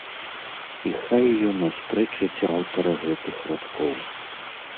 І хай ён аспрэчыць аўтара гэтых радкоў!